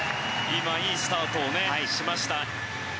今いいスタートをしました。